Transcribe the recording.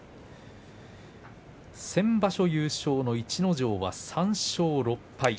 先場所優勝の逸ノ城は３勝６敗